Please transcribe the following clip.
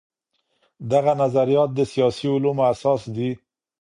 دغه نظريات د سياسي علومو اساس دي.